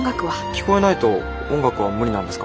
聞こえないと音楽は無理なんですか？